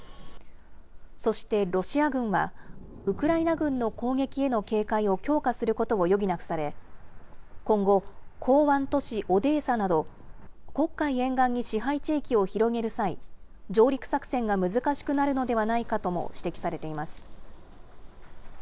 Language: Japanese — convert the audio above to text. そしてロシア軍は、ウクライナ軍の攻撃への警戒を強化することを余儀なくされ、今後、港湾都市オデーサなど、黒海沿岸に支配地域を広げる際、上陸作戦が難しくなるのではないかとも指摘されています。